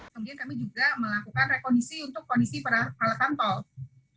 kemudian kami juga melakukan rekondisi untuk kondisi peralatan tol